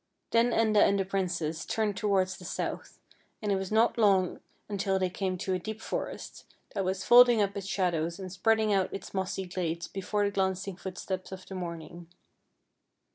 Then Enda and the princess turned towards the south, and it was not long until they came to a deep forest, that was folding up its shadows and spreading out its mossy glades before the glancing footsteps of the morning.